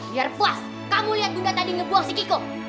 biar puas kamu lihat bunda tadi ngebuang si kiko